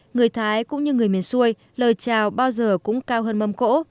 người thái cũng như người miền xuôi lời chào bao giờ cũng cao hơn mâm cỗ